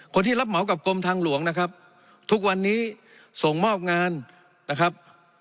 คนที่รับเหมากับกรมทางหลวงนะครับทุกวันนี้ส่งมอบงานนะครับ